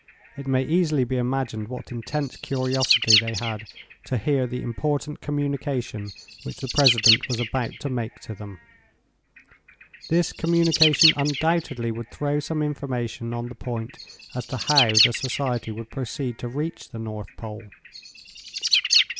It may easily be imagined what intense curiosity they had to hear the important communication which the President was about to make to them. This communication undoubtedly would throw some information on the point as to how the society would proceed to reach the North Pole.